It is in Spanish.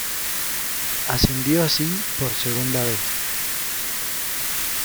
Ascendió así por segunda vez.